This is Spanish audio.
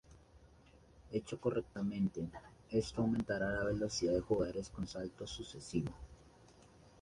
Hecho correctamente, esto aumentará la velocidad del jugador con saltos sucesivos.